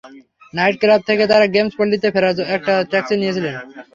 Night club থেকে তাঁরা games পল্লিতে ফেরার জন্য একটা ট্যাক্সি নিয়েছিলেন।